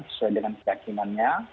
sesuai dengan keyakinannya